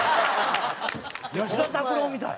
吉田拓郎みたい！